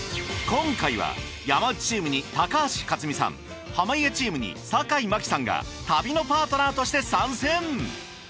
今回は山内チームに高橋克実さん濱家チームに坂井真紀さんが旅のパートナーとして参戦！